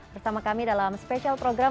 bersama kami dalam spesial program